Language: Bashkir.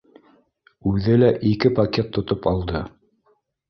Үҙе лә ике пакет тотоп алды.